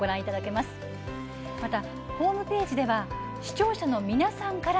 また、ホームページでは視聴者の皆さんからの